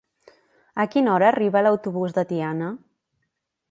A quina hora arriba l'autobús de Tiana?